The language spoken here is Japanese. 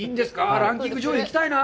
ランキング上位に行きたいな。